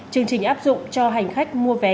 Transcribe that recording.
chương trình áp dụng cho hành khách mua vé